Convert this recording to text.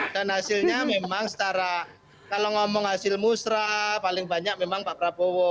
dan hasilnya memang setara kalau ngomong hasil musrah paling banyak memang pak prabowo